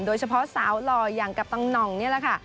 โดยเฉพาะสาวหล่ออย่างกับตังหน่องนี่แหละค่ะ